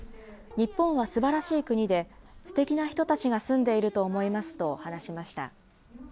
日本はすばらしい国で、すてきな人たちが住んでいると思いますと話しました。